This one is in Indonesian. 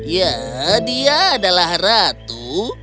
ya dia adalah ratu